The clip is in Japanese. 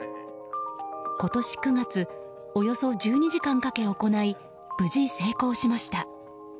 今年９月、およそ１２時間かけ行い、無事成功しました。